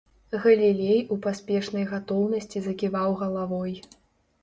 Галілей у паспешнай гатоўнасці заківаў галавой.